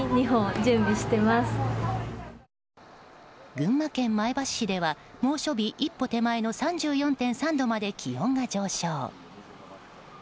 群馬県前橋市では猛暑日一歩手前の３４．３度まで気温が上昇。